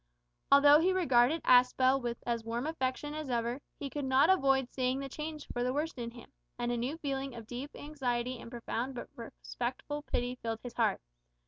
Although he regarded Aspel with as warm affection as ever, he could not avoid seeing the change for the worse in him, and a new feeling of deep anxiety and profound but respectful pity filled his heart.